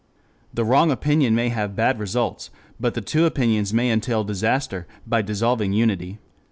The wrong opinion may have bad results, but the two opinions may entail disaster by dissolving unity.